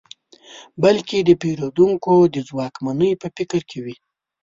بلکې د پېرودونکو د ځواکمنۍ په فکر کې وي.